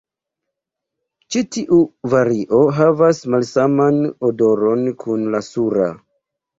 Ĉi tiu vario havas malsaman odoron kun la sura.